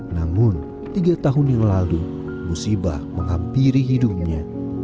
namun tiga tahun yang lalu musibah menghampiri hidupnya